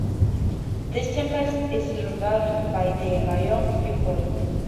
This temple is revered by the Rayong people.